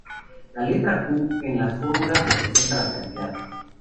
La letra Q en las fórmulas representa la cantidad.